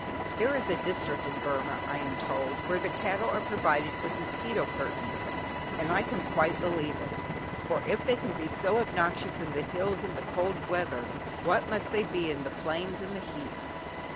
There is a district in Burmah, I am told, where the cattle are provided with mosquito curtains, and I can quite believe it, for if they can be so obnoxious in the hills in the cold weather, what must they be in the plains in the heat!